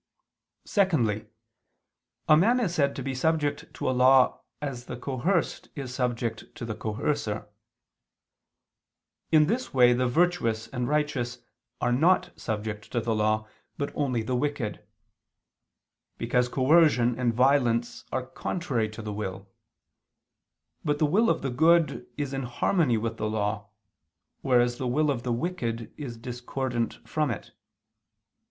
Secondly, a man is said to be subject to a law as the coerced is subject to the coercer. In this way the virtuous and righteous are not subject to the law, but only the wicked. Because coercion and violence are contrary to the will: but the will of the good is in harmony with the law, whereas the will of the wicked is discordant from it.